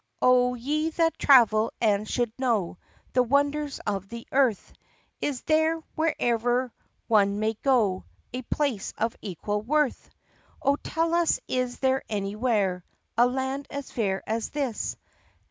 O ye that travel and should know The wonders of the earth, Is there, wherever one may go, A place of equal worth? Oh, tell us, is there anywhere A land as fair as this?